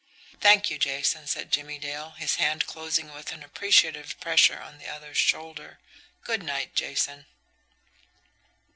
"Thank you, Jason," said Jimmie Dale, his hand closing with an appreciative pressure on the other's shoulder "Good night, Jason."